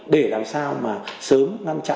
để làm sao mà sớm